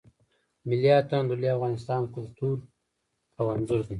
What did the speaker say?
ملی آتڼ د لوی افغانستان کلتور او آنځور دی.